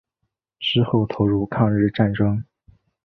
之后投入抗日战争。